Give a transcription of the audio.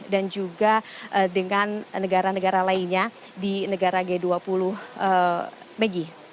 dan juga dengan negara negara lainnya di negara g dua puluh